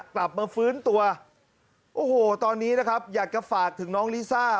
กลับมาฟื้นตัวโอ้โหตอนนี้นะครับอยากจะฝากถึงน้องลิซ่า